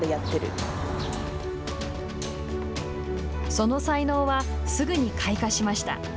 その才能はすぐに開花しました。